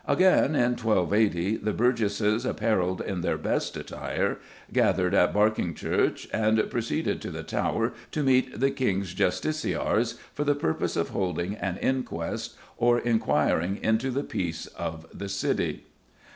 Again, in 1280, the burgesses "apparelled in their best attire" gathered at Berkyngechurche and proceeded to the Tower to meet the King's Justiciars "for the purpose of holding an Inquest, or inquiring into the peace of the City."